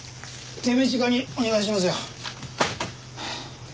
手短にお願いしますよ。